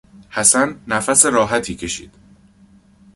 حسن نفس راحتی کشید.